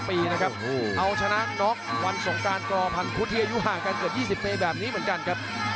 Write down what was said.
ปีนะครับเอาชนะน็อกวันสงการกอพันพุทธที่อายุห่างกันเกือบ๒๐ปีแบบนี้เหมือนกันครับ